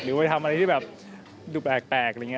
ไปทำอะไรที่แบบดูแปลกอะไรอย่างนี้